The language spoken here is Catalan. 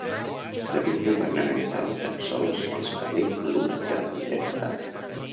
Per l'ús governamental tan sols és vàlid l'ús de la bandera estatal.